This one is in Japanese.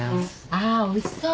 あーおいしそう。